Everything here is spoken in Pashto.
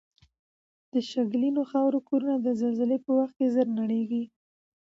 د شګلنو خاورو کورنه د زلزلې په وخت زر نړیږي